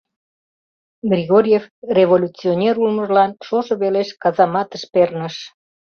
Григорьев революционер улмыжлан шошо велеш казаматыш перныш».